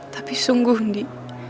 tapi sungguh undi